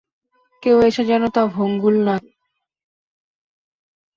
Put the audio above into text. কেউ এসে যেন তা ভঙুল না।